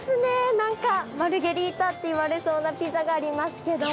何かマルゲリータって言われそうなピザがありますけども。